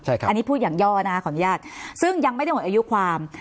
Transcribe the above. อันนี้พูดอย่างย่อนะคะขออนุญาตซึ่งยังไม่ได้หมดอายุความ